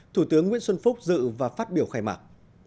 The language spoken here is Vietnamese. thủ tướng nguyễn xuân phúc dự và phát biểu khai mạc